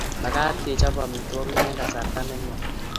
Magat kechop amitwogik eng kasarta ne nwach